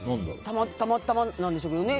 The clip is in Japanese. たまたまなんでしょうけどね。